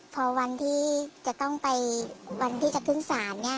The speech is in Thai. พอวันที่จะต้องไปวันที่จะขึ้นศาลเนี่ย